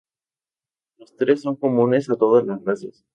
Los tres son comunes a todas las razas.